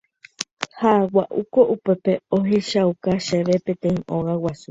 Ha gua'úko upépe ohechauka chéve peteĩ óga guasu.